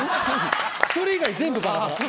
それ以外全部バラバラ。